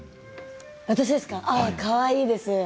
かわいいです。